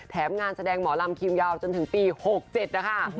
งานแสดงหมอลำคิวยาวจนถึงปี๖๗นะคะ